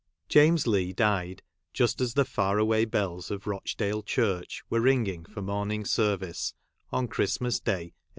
James Leigh died just as the far away bells of Rochdale Church were ringing for morning service on Christmas Day, 1836.